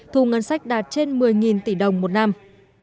thu ngân sách đạt trên một mươi tỷ đồng một năm